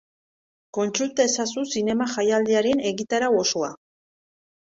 Kontsulta ezazu zinema jaialdiaren egitarau osoa.